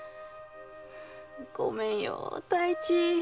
ごめんよ太一。